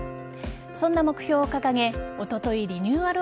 そんな目標を掲げおとといリニューアル